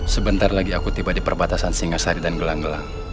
sebentar lagi aku tiba di perbatasan singasari dan gelang gelang